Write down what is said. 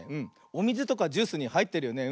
おみずとかジュースにはいってるよね。